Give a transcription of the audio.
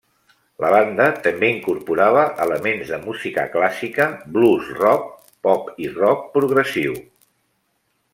La banda també incorporava elements de música clàssica, blues-rock, pop i rock progressiu.